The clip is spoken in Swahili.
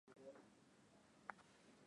kutodumisha usafi kwenye maboma ya mifugo